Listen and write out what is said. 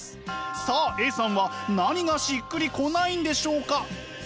さあＡさんは何がしっくりこないんでしょうか？